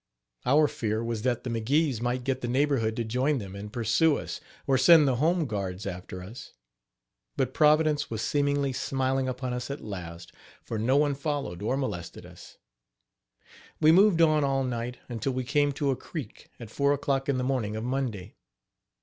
Our fear was that the McGees might get the neighborhood to join them and pursue us, or send the home guards after us; but Providence was seemingly smiling upon us at last, for no one followed or molested us. We moved on all night, until we came to a creek, at four o'clock in the morning of Monday.